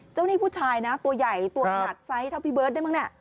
หนี้ผู้ชายนะตัวใหญ่ตัวขนาดไซส์เท่าพี่เบิร์ตได้มั้งเนี่ย